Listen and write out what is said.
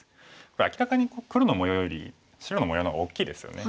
これ明らかに黒の模様より白の模様の方が大きいですよね。